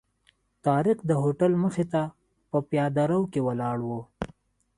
طارق د هوټل مخې ته په پیاده رو کې ولاړ و.